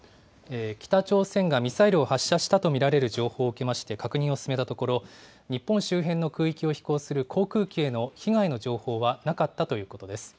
北朝鮮がミサイルを発射したと見られる情報を受けまして確認を進めたところ、日本周辺の空域を飛行する航空機への被害の情報はなかったということです。